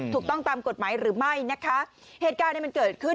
ถูกต้องตามกฎหมายหรือไม่นะคะเหตุการณ์เนี่ยมันเกิดขึ้น